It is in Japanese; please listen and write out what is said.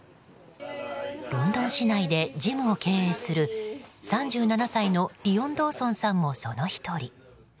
ロンドン市内でジムを経営する３７歳のリオン・ドーソンさんもその１人。